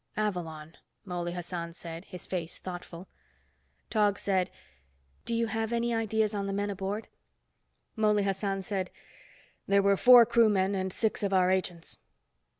"Avalon," Mouley Hassan said, his face thoughtful. Tog said, "Do you have any ideas on the men aboard?" Mouley Hassan said, "There were four crew men, and six of our agents."